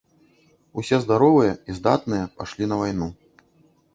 Усе здаровыя і здатныя пайшлі на вайну.